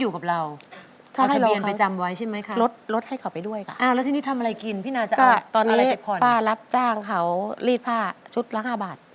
ก็ตอนนี้ป้ารับจ้างเขารีดผ้าชุดละ๕บาท